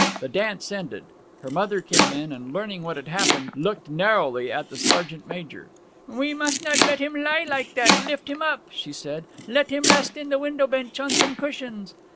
The dance ended; her mother came in, and learning what had happened, looked narrowly at the sergeant major. 'We must not let him lie like that, lift him up,' she said. 'Let him rest in the window bench on some cushions.'